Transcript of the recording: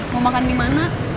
mau makan di mana